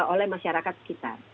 oleh masyarakat sekitar